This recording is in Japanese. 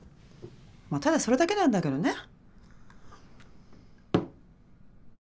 まあただそれだけなんだけどね。